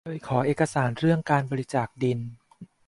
เคยขอเอกสารเรื่องการบริจาคดิน